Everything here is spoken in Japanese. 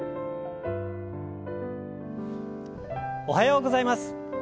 おはようございます。